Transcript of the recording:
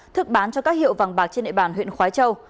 thức bán cho các hiệu vàng bạc trên địa bàn huyện khói châu